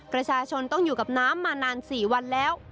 ประชาชนต้องอยู่กับน้ำมานาน๔วันแล้ว